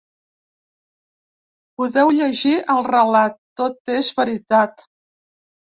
Podeu llegir el relat ‘Tot és veritat’.